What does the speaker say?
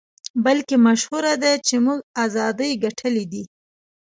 بلکې مشهوره ده چې موږ ازادۍ ګټلې دي.